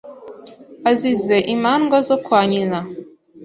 Azize imandwa zo kwa nyina